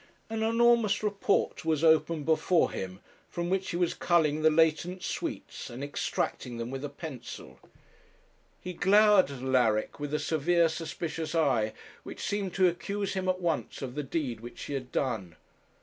An enormous report was open before him, from which he was culling the latent sweets, and extracting them with a pencil. He glowered at Alaric with a severe suspicious eye, which seemed to accuse him at once of the deed which he had done.